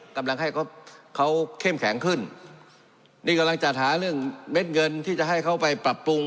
กำลังให้เขาเขาเข้มแข็งขึ้นนี่กำลังจัดหาเรื่องเม็ดเงินที่จะให้เขาไปปรับปรุง